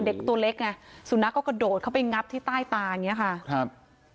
เด็กตัวเล็กน่ะสูนักก็กระโดดเข้าไปงับที่ใต้ตาเนี้ยค่ะครับ